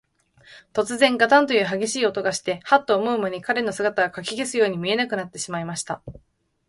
とつぜん、ガタンというはげしい音がして、ハッと思うまに、彼の姿は、かき消すように見えなくなってしまいました。